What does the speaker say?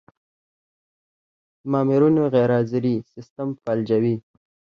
د مامورینو غیرحاضري سیستم فلجوي.